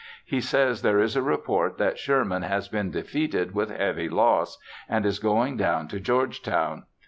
He says there is a report that Sherman has been defeated with heavy loss, and is going down to Georgetown.